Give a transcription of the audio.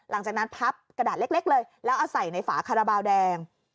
หลังจากนั้นพับกระดาษเล็กเลยแล้วเอาใส่ในฝาคาราบาลแดง